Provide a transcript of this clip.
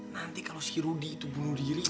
nanti kalau si rudy itu bunuh diri